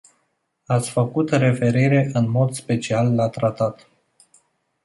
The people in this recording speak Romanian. Ați făcut referire în mod special la tratat.